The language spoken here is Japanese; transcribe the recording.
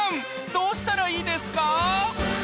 どうしたらいいですか？